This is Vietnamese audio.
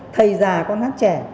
thầy già con hát trẻ